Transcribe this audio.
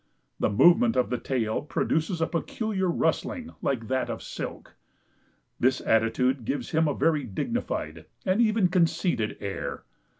The movement of the tail produces a peculiar rustling, like that of silk. This attitude gives him a very dignified and even conceited air.